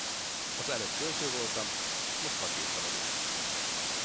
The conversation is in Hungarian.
Az előbb költő voltam, most pacsirta vagyok.